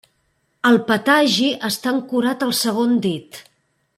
El patagi està ancorat al segon dit.